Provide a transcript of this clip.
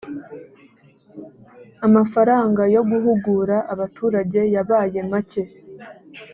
amafaranga yo guhugura abaturage yabaye make